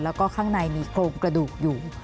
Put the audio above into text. แล้วก็ข้างในมีโครงกระดูกอยู่